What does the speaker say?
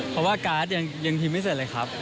เพราะว่าการ์ดยังพิมพ์ไม่เสร็จเลยครับ